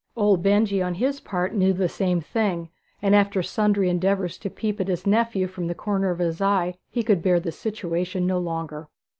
Old Benjy on his part knew the same thing, and after sundry endeavours to peep at his nephew from the corner of his eye, he could bear the situation no longer.